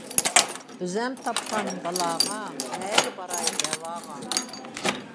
ئۆزۈم تاپقان بالاغا، نەگە باراي دەۋاغا.